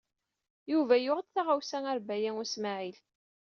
Yuba yuɣ-d taɣawsa ɣer Baya U Smaɛil.